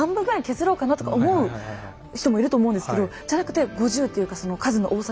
削ろうかなとか思う人もいると思うんですけどじゃなくて５０というかその数の多さにこだわった理由は。